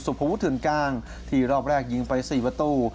สุภพฤทธินกลางที่รอบแรกยิงไป๔ประตู